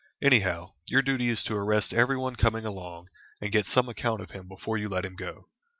Anyhow, your duty is to arrest everyone coming along, and get some account of him before you let him go.